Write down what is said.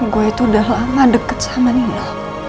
gue itu udah lama deket sama nino